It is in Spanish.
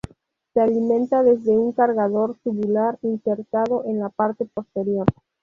Se alimenta desde un cargador tubular insertado en la parte posterior.